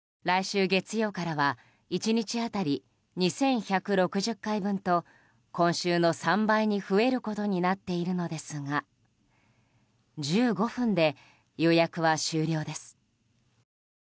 来週月曜からは１日当たり２１６０回分と今週の３倍に増えることになっているのですが１５分で予約は終了です。